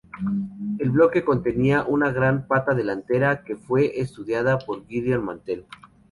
El bloque contenía una gran pata delantera que fue estudiada por Gideon Mantell.